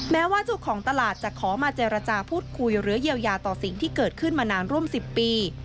แม้ว่าเจ้าของตลาดจะขอมาเจรจาพูดคุยหรือเยียวยาต่อสิ่งที่เกิดขึ้นมานานร่วม๑๐ปี